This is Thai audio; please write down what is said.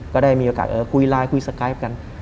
ก็ได้มีโอกาสคุยไลน์คุยสกายฟกัน